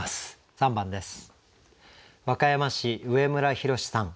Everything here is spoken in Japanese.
３番です。